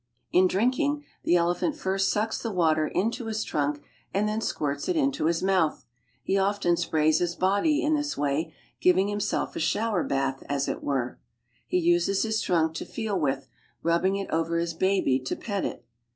In drinking, the elephant first sucks the water into i trunk, and then squirts it into his mouth. He often jepiays his body in this way, giving himself a shower ath as it were. He uses his trunk to feel with, rubbing it over his baby to pet it.